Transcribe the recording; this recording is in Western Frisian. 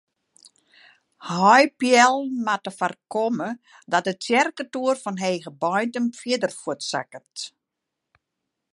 Heipeallen moatte foarkomme dat de tsjerketoer fan Hegebeintum fierder fuortsakket.